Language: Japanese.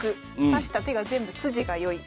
指した手が全部筋が良い。